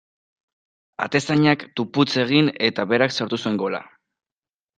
Atezainak tupust egin eta berak sartu zuen gola.